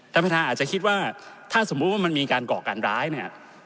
ท่านประธานอาจจะคิดว่าถ้าสมมุติว่ามันมีการก่อการร้ายเนี่ย